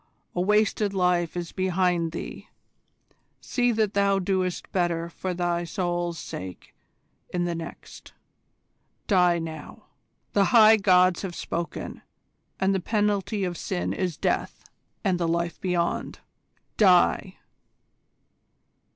A wasted life is behind thee: see that thou doest better for thy soul's sake in the next. Die now! The High Gods have spoken, and the penalty of sin is death and the life beyond. Die!"